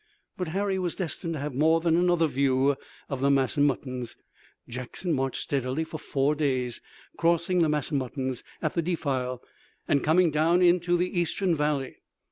But Harry was destined to have more than another view of the Massanuttons. Jackson marched steadily for four days, crossing the Massanuttons at the defile, and coming down into the eastern valley.